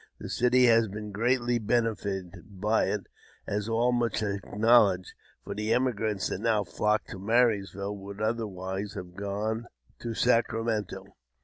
The city had been greatly benefited by it, as all must acknow ledge, for the emigrants that now flock to Marysville would otherwise have gone to Sacramento.